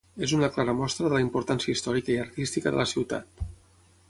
És una clara mostra de la importància històrica i artística de la ciutat.